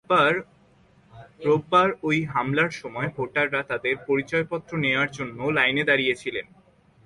রোববারে ওই হামলার সময় ভোটাররা তাঁদের পরিচয়পত্র নেওয়ার জন্য লাইনে দাঁড়িয়ে ছিলেন।